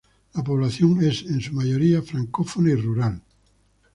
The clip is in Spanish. La población es en mayoría francófona y rural.